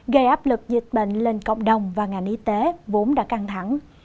gây áp lực dịch bệnh lên cộng đồng và ngành y tế vốn đã căng thẳng